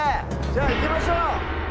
じゃあ行きましょう！